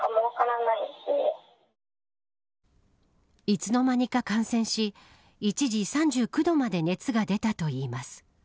いつの間にか感染し一時３９度まで熱が出たといいます。